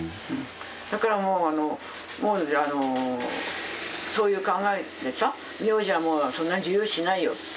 だからもうそういう考えでさ名字はもうそんなに重要視しないよ。